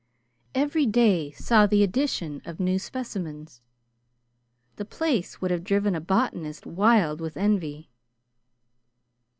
Every day saw the addition of new specimens. The place would have driven a botanist wild with envy.